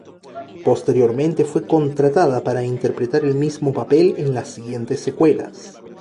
Posteriormente fue contratada para interpretar el mismo papel en las siguientes secuelas.